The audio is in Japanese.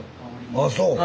ああそう。